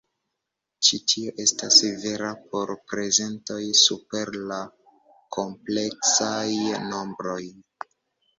Ĉi tio estas vera por prezentoj super la kompleksaj nombroj.